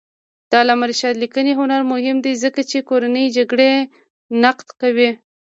د علامه رشاد لیکنی هنر مهم دی ځکه چې کورنۍ جګړې نقد کوي.